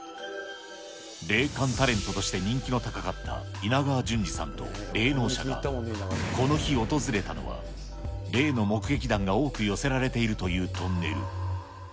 霊感タレントとして人気の高かった稲川淳二さんと霊能者がこの日訪れたのは、霊の目撃談が多く寄せられているというトンネル。